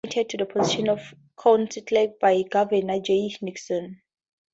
Chris Flanagan was appointed to the position of County Clerk by Governor Jay Nixon.